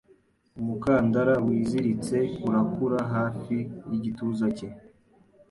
Umukandara wiziritse urakura Hafi yigituza cye